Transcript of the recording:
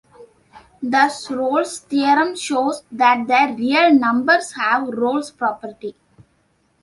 Thus Rolle's theorem shows that the real numbers have Rolle's property.